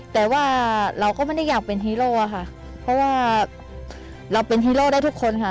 แต่ว่าเราก็ไม่ได้อยากเป็นฮีโร่อะค่ะเพราะว่าเราเป็นฮีโร่ได้ทุกคนค่ะ